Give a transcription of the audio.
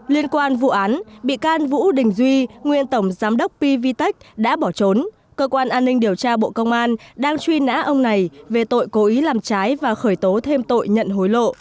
liên quan vụ án bị can vũ đình duy nguyên tổng giám đốc pvtec đã bỏ trốn cơ quan an ninh điều tra bộ công an đang truy nã ông này về tội cố ý làm trái và khởi tố thêm tội nhận hối lộ